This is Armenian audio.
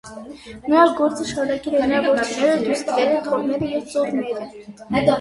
Նրա գործը շարունակել են նրա որդիները, դուստրերը, թեռները և ծոռները։